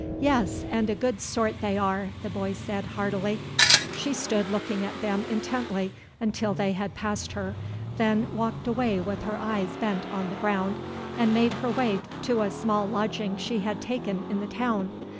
"Yes, and a good sort they are," the boy said heartily. She stood looking at them intently until they had passed her, then walked away with her eyes bent on the ground, and made her way to a small lodging she had taken in the town.